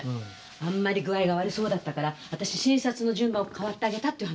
あんまり具合が悪そうだったから私診察の順番を代わってあげたっていう話。